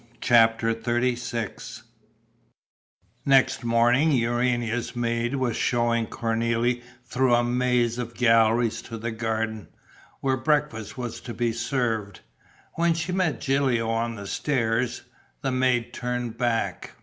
CHAPTER XXXVI Next morning Urania's maid was showing Cornélie through a maze of galleries to the garden, where breakfast was to be served, when she met Gilio on the stairs. The maid turned back.